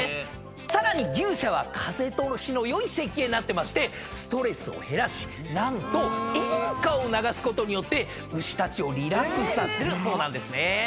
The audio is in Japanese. さらに牛舎は風通しの良い設計になってましてストレスを減らし何と演歌を流すことによって牛たちをリラックスさせてるそうなんですね。